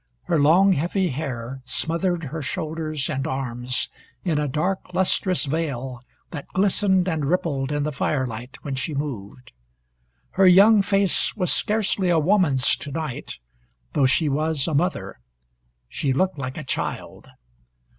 Her long heavy hair smothered her shoulders and arms in a dark lustrous veil that glistened and rippled in the firelight when she moved. Her young face was scarcely a woman's to night, though she was a mother. She looked like a child.